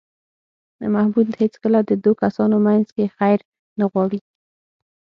محمود هېڅکله د دو کسانو منځ کې خیر نه غواړي.